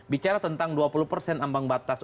bicara tentang dua puluh persen ambang batas